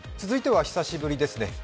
続いては久しぶりですね。